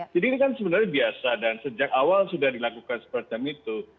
jadi ini kan sebenarnya biasa dan sejak awal sudah dilakukan seperti itu